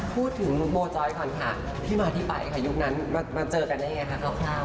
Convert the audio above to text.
พูดถึงโป้จอยก่อนค่ะที่มาที่ไปค่ะยุคที่นั้นมาเจอกันได้ง่ายคะครับ